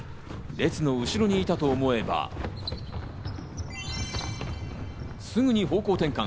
別の後ろにいたと思えば、すぐに方向転換。